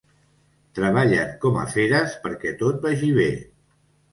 Treballen com a feres perquè tot vagi bé.